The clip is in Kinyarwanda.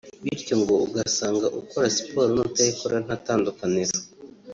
bityo ngo ugasanga ukora siporo n’utayikora nta tandukaniro